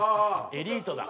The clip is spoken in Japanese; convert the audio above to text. エリートだ。